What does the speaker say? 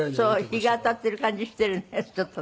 「日が当たっている感じしているねちょっとね」